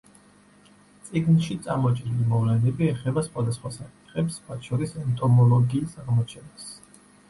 წიგნში წამოჭრილი მოვლენები ეხება სხვადასხვა საკითხებს, მათ შორის ენტომოლოგიის აღმოჩენას.